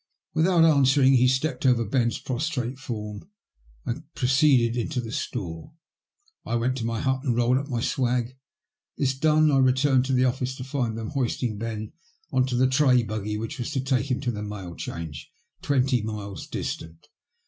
Without answering he stepped over Ben*s prostrate form and proceeded into the store. I went to my hut and rolled up my swag. This done, I returned to the office, to find them hoisting Ben into the tray buggy which was to take him to the Mail Change, twenty miles distant.